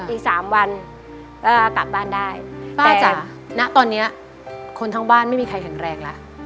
อีก๓วันป้ากลับบ้านได้ป้าจ๋าณตอนนี้คนทั้งบ้านไม่มีใครแข็งแรงแล้ว